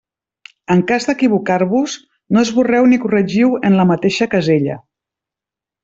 En cas d'equivocar-vos, no esborreu ni corregiu en la mateixa casella.